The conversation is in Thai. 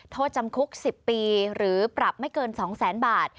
โทษจำคุก๑๐ปีหรือปรับไม่เกิน๒แสนบาท